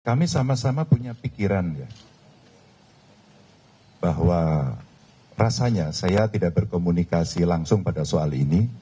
kami sama sama punya pikiran ya bahwa rasanya saya tidak berkomunikasi langsung pada soal ini